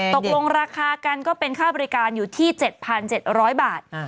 ตกลงราคากันก็เป็นค่าบริการอยู่ที่๗๗๐๐บาท